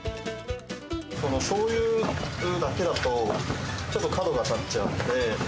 しょうゆだけだと、ちょっと角が立っちゃうんで。